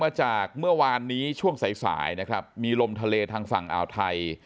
จากเมื่อวานนี้ช่วงสายสายนะครับมีลมทะเลทางฝั่งอ่าวไทย